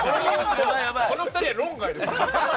この２人は論外です。